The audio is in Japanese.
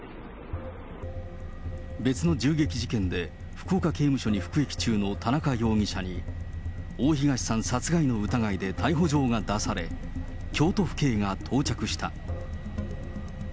別の銃撃事件で福岡刑務所に服役中の田中容疑者に、大東さん殺害の疑いで逮捕状が出され、京都府警が到着した。